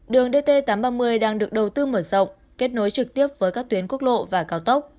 đường dt tám trăm ba mươi đang được đầu tư mở rộng kết nối trực tiếp với các tuyến quốc lộ và cao tốc